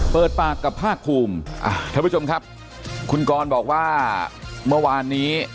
เปิดปากกับภาคภูมิท่านผู้ชมครับคุณกรบอกว่าเมื่อวานนี้